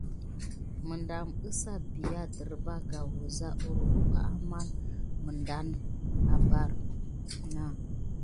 Medam əza bià derbaka wuza kurump amanz medam a bar na.